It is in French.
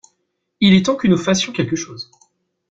Il est temps que nous fassions quelque chose.